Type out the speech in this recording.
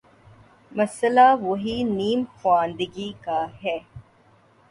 مسئلہ وہی نیم خواندگی کا ہے۔